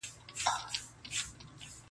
• خو اصلي درد نه ختمېږي تل,